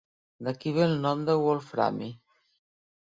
D'aquí ve el nom de wolframi.